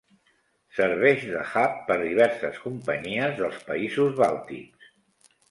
Serveix de hub per diverses companyies dels països bàltics.